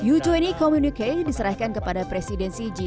u dua puluh communique diserahkan kepada presidensi g dua puluh